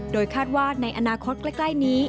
โดยคาดว่าในอนาคตใกล้นี้